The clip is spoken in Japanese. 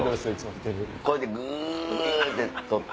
こうやってグ！って取って。